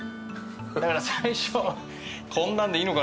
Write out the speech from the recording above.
だから最初。